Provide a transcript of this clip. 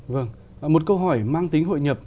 vâng một câu hỏi mang tính hội nhập